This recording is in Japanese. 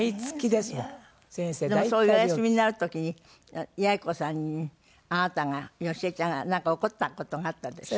でもそういうお休みになる時に八重子さんにあなたが好重ちゃんがなんか怒った事があったんですって？